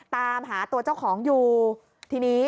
ตามหาตัวเจ้าของอยู่ทีนี้